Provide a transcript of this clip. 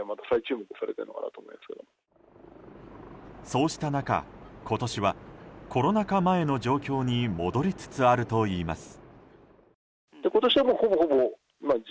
そうした中、今年はコロナ禍前の状況に戻りつつあるといいます。